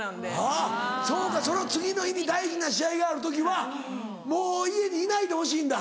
あぁそうかその次の日に大事な試合がある時はもう家にいないでほしいんだ。